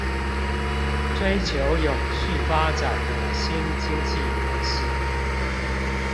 追求永續發展的新經濟模式